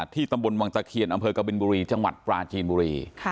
ตำบลวังตะเคียนอำเภอกบินบุรีจังหวัดปราจีนบุรี